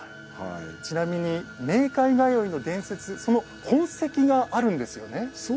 ちなみに冥界通いの伝説その痕跡があるんですよね。